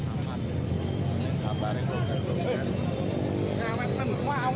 adalah tim uitama lamu sedang menunggu